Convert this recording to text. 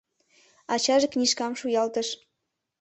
Ачаже книжкам шуялтыш.